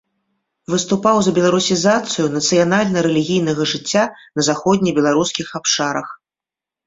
Выступаў за беларусізацыю нацыянальна-рэлігійнага жыцця на заходнебеларускіх абшарах.